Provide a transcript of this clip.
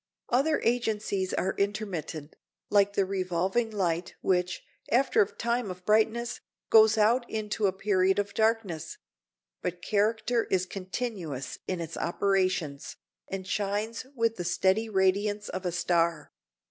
Other agencies are intermittent, like the revolving light, which, after a time of brightness, goes out into a period of darkness; but character is continuous in its operations, and shines with the steady radiance of a star.